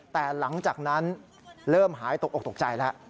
แต่หลังจากนั้นเริ่มหายตกออกตกใจแล้ว